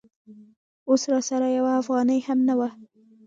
اوس راسره یوه افغانۍ هم نه وه.